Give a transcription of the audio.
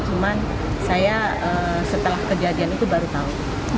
cuman saya setelah kejadian itu baru tahu